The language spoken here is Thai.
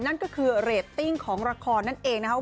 นั่นก็คือเรตติ้งของละครนั่นเองนะครับ